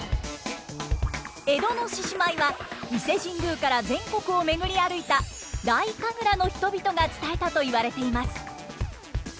江戸の獅子舞は伊勢神宮から全国を巡り歩いた太神楽の人々が伝えたといわれています。